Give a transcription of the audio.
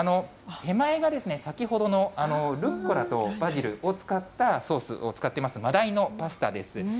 手前が先ほどのルッコラとバジルを使ったソースを使っています、真鯛のパスタです。